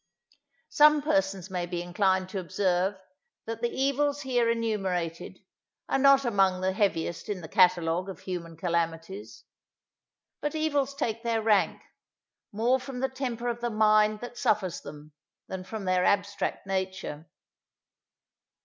Some persons may be inclined to observe, that the evils here enumerated, are not among the heaviest in the catalogue of human calamities. But evils take their rank, more from the temper of the mind that suffers them, than from their abstract nature.